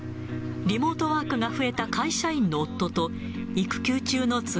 リモートワークが増えた会社員の夫と、育休中の妻。